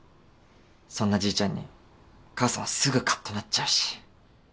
そんなじいちゃんに母さんはすぐカッとなっちゃうし。